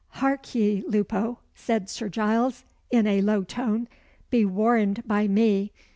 "Hark ye, Lupo," said Sir Giles, in a low tone. "Be warned by me.